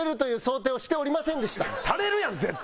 垂れるやん絶対！